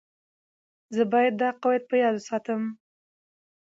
زه باید دا قواعد په یاد وساتم.